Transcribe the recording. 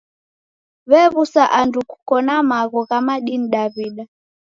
W'ew'usa andu kuko na magho gha madini Daw'ida.